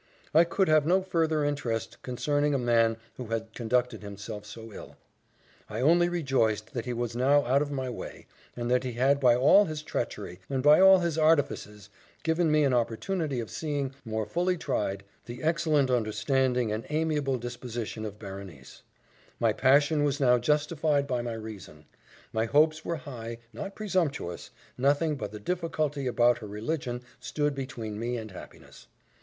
I could have no farther interest concerning a man who had conducted himself so ill. I only rejoiced that he was now out of my way, and that he had by all his treachery, and by all his artifices, given me an opportunity of seeing, more fully tried, the excellent understanding and amiable disposition of Berenice. My passion was now justified by my reason: my hopes were high, not presumptuous nothing but the difficulty about her religion stood between me and happiness.